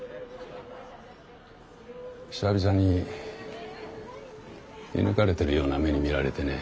久々に射ぬかれてるような目に見られてね。